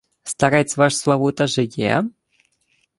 — Старець ваш Славута жиє?